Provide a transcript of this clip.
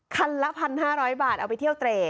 คันละ๑๕๐๐บาทเอาไปเที่ยวเตร